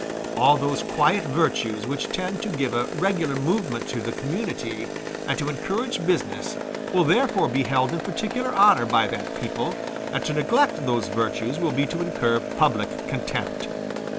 All those quiet virtues which tend to give a regular movement to the community, and to encourage business, will therefore be held in peculiar honor by that people, and to neglect those virtues will be to incur public contempt.